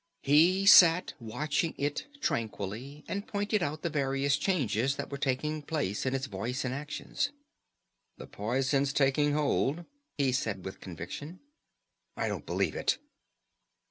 He sat watching it tranquilly, and pointed out the various changes that were taking place in its voice and actions. "The poison's taking hold," he said with conviction. "I don't believe it."